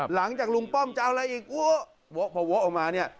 หลังจากลุงป้อมจะเอาอะไรอีกวะพอวะออกมา